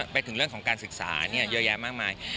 ไปถึงเรื่องของการศึกษาเยอะแยะมากมาย